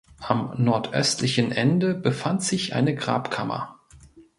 Am nordöstlichen Ende befand sich eine Grabkammer.